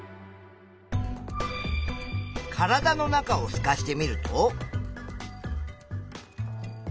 体の中をすかしてみると？